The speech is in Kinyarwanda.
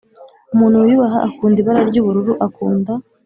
umuntu wiyubaha, akunda ibara ryubururu, akunda